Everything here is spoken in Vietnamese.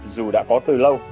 dù đã có từ lâu